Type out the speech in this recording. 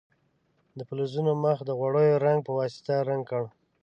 د فلزونو مخ د غوړیو رنګ په واسطه رنګ کړئ.